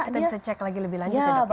kita bisa cek lagi lebih lanjut ya dok ya